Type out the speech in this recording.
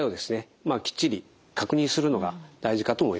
きっちり確認するのが大事かと思います。